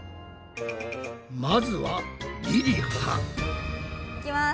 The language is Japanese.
まずはりりは。いきます。